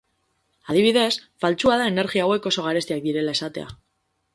Adibidez, faltsua da energia hauek oso garestiak direla esatea.